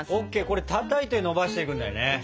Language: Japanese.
これたたいてのばしていくんだよね？